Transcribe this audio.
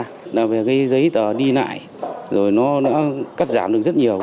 đó là về cái giấy tờ đi nại rồi nó đã cắt giảm được rất nhiều